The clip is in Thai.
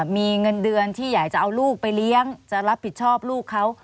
มีเงินเดือนที่อยากจะเอาลูกไปเลี้ยงจะรับผิดชอบลูกเขา